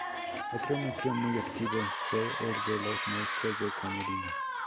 Otro núcleo muy activo fue el de los maestros de Camerino.